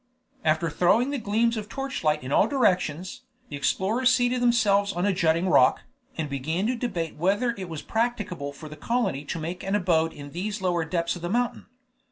After throwing the gleams of torch light in all directions, the explorers seated themselves on a jutting rock, and began to debate whether it was practicable for the colony to make an abode in these lower depths of the mountain.